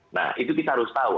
nah itu kita harus tahu